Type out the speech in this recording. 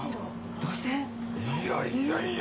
いやいやいや。